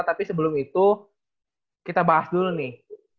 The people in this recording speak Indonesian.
tapi sebelum itu kita bahas dulu nih